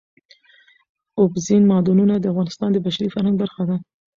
اوبزین معدنونه د افغانستان د بشري فرهنګ برخه ده.